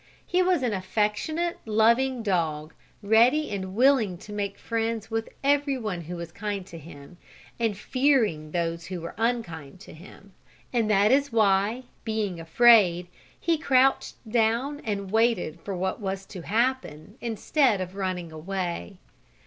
He was an affectionate, loving dog, ready and willing to make friends with everyone who was kind to him, and fearing those who were unkind to him. And that is why, being afraid, he crouched down, and waited for what was to happen, instead of running away.